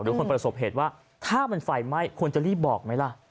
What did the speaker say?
คนประสบเหตุว่าถ้ามันไฟไหม้ควรจะรีบบอกไหมล่ะ